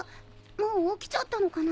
もう起きちゃったのかな？